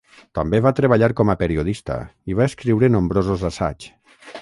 També va treballar com a periodista, i va escriure nombrosos assaigs.